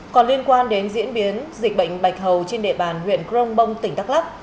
còn liên quan đến diễn biến dịch bệnh bạch hầu trên đệ bàn huyện crong bông tỉnh tắc lắp